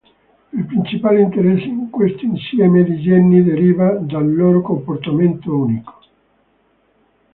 Il principale interesse in questo insieme di geni deriva dal loro comportamento unico.